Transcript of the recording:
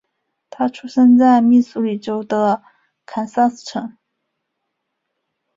他出生在密苏里州的堪萨斯城。